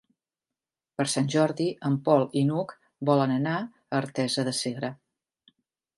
Per Sant Jordi en Pol i n'Hug volen anar a Artesa de Segre.